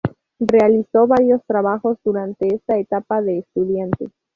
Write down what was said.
Realizó varios trabajos durante esta etapa de estudiante.